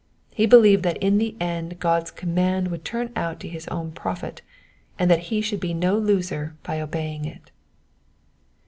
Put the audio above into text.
He believed that in the end God's command would turn out to his own profit, and that he should be no loser by obeying it.